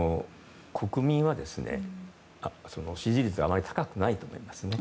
国民からの支持率はあまり高くないと思いますね。